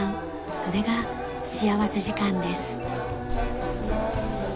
それが幸福時間です。